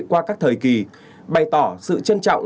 qua các thời kỳ bày tỏ sự trân trọng